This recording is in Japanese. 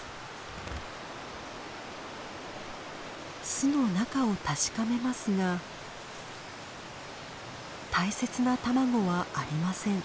巣の中を確かめますが大切な卵はありません。